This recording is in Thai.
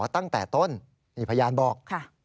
ตั้งแต่ต้นนี่พยานบอก